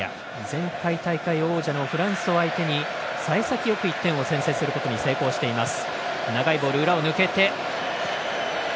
前回大会王者のフランスを相手にさい先よく１点を先制することに成功しています。